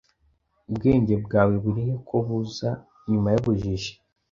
Ubwenge bwawe burihe ko buza nyuma yubujiji?